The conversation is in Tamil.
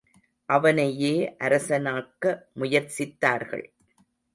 அவனையே அரசனாக்க முயற்சித்தார்கள்.